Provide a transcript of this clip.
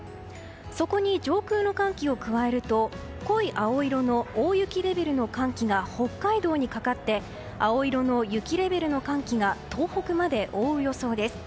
そこに上空の寒気を加えると濃い青色の大雪レベルの寒気が北海道にかかって青色の雪レベルの寒気が東北まで覆う予想です。